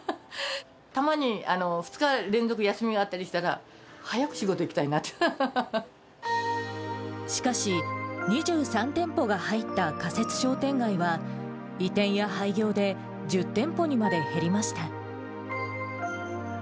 たまに２日連続休みがあったりしたら、しかし、２３店舗が入った仮設商店街は、移転や廃業で１０店舗にまで減りました。